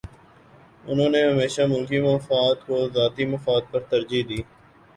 انہوں نے ہمیشہ ملکی مفاد کو ذاتی مفاد پر ترجیح دی